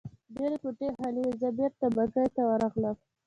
ډېرې کوټې خالي وې، زه بېرته بګۍ ته ورغلم.